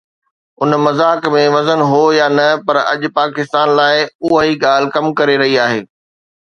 ان مذاق ۾ وزن هو يا نه، پر اڄ پاڪستان لاءِ اها ئي ڳالهه ڪم ڪري رهي آهي.